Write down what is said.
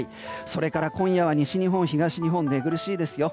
それから今夜は西日本、東日本寝苦しいですよ。